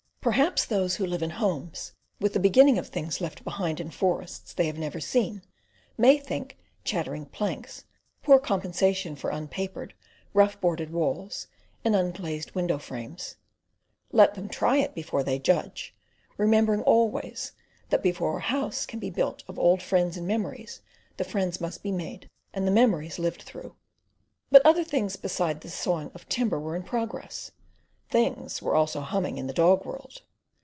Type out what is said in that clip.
Perhaps those who live in homes with the beginning of things left behind in forests they have never seen, may think chattering planks a poor compensation for unpapered, rough boarded walls and unglazed window frames. Let them try it before they judge; remembering always, that before a house can be built of old friends and memories the friends must be made and the memories lived through. But other things beside the sawing of timber were in progress, Things were also "humming" in the dog world.